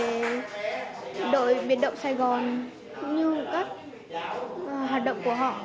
về đội biệt động sài gòn như các hạt động của họ